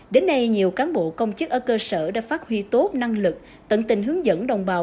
đến nay nhiều cán bộ công chức ở cơ sở đã phát huy tốt năng lực tận tình hướng dẫn đồng bào